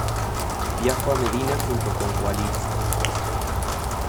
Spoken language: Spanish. Viajo a Medina junto con Waleed.